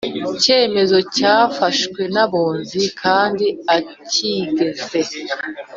cyemezo cyafashwe n Abunzi kandi atigeze